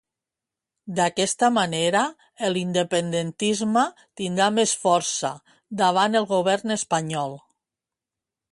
D'aquesta manera, l'independentisme tindrà més força davant el govern espanyol.